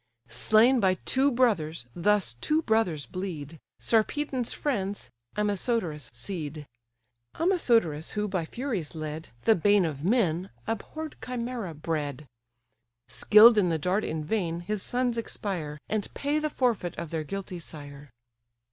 Slain by two brothers, thus two brothers bleed, Sarpedon's friends, Amisodarus' seed; Amisodarus, who, by Furies led, The bane of men, abhorr'd Chimaera bred; Skill'd in the dart in vain, his sons expire, And pay the forfeit of their guilty sire.